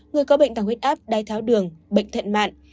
người có bệnh tàng huyết áp đai tháo đường bệnh thận mạn